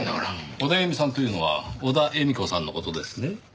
オダエミさんというのは小田絵美子さんの事ですね？